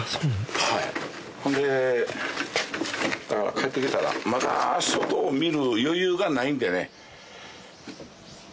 帰ってきたらまだ外を見る余裕がないんでね。